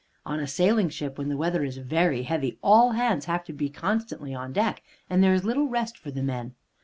On a sailing ship, when the weather is very heavy, all hands have to be constantly on deck, and there is little rest for the men.